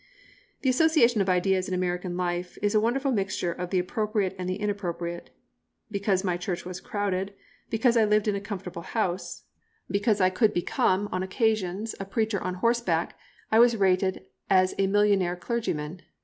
The association of ideas in American life is a wonderful mixture of the appropriate and the inappropriate. Because my church was crowded, because I lived in a comfortable house, because I could become, on occasions, a preacher on horseback, I was rated as a millionaire clergyman.